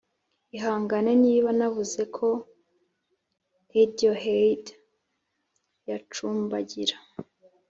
ihangane niba navuze ko radiohead yacumbagira.